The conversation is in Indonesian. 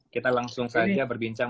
kita langsung saja berbincang